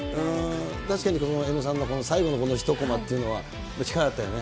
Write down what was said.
確かに、この江野さんの最後の一コマというのは、力あったよね。